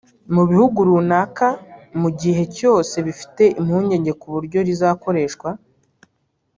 mu bihugu runaka mu gihe cyose bifite impungenge ku buryo rizakoreshwa